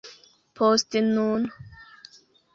Post nun...